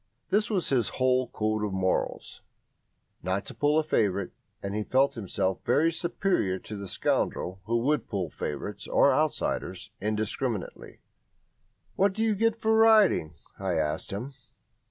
This was his whole code of morals not to pull a favourite; and he felt himself very superior to the scoundrel who would pull favourites or outsiders indiscriminately. "What do you get for riding?" I asked him.